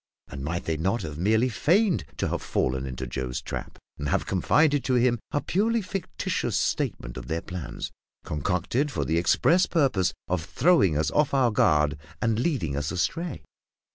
and might they not have merely feigned to have fallen into Joe's trap, and have confided to him a purely fictitious statement of their plans, concocted for the express purpose of throwing us off our guard and leading us astray?